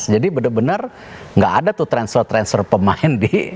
jadi benar benar tidak ada transfer transfer pemain